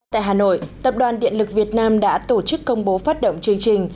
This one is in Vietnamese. tại hà nội tập đoàn điện lực việt nam đã tổ chức công bố phát động chương trình